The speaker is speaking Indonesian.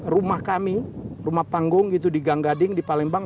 rumah kami rumah panggung itu di gang gading di palembang